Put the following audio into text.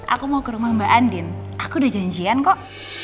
aku mau ke rumah mbak andin aku udah janjian kok